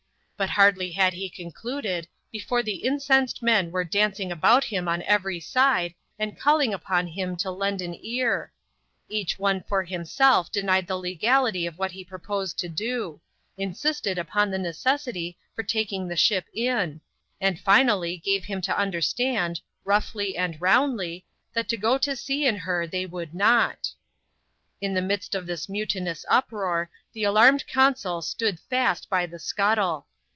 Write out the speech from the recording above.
But hardly had he concluded, before the incensed men were dancing about him on every side, and calling upon him to lend an ear. Each one for himself denied the legality of what he proposed to do ; insisted upon the necessity for taking the ship in ; and finally gave him to understand, roughly and roundly, that go to sea in her they would not In the midst of this mutinous uproar, the alarmed consul stood fast by the scuttle.